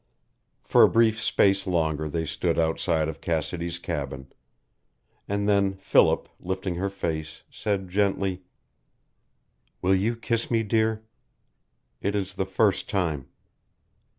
For a brief space longer they stood outside of Cassidy's cabin, and then Philip, lifting her face, said gently: "Will you kiss me, dear? It is the first time."